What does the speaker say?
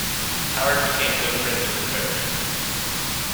Howard became good friends with Behrman.